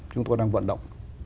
chúng tôi đang vận động